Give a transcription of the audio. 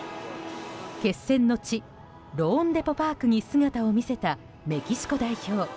決戦の地ローンデポ・パークに姿を見せたメキシコ代表。